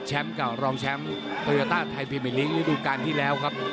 กับรองแชมป์โตโยต้าไทยพรีมิลิกฤดูการที่แล้วครับ